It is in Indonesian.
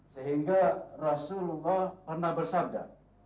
sehingga rasulullah pernah bersabda